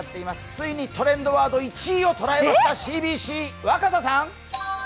ついにトレンドワード１位をとらえましたＣＢＣ・若狭さん。